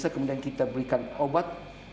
kemudian kita berikan obat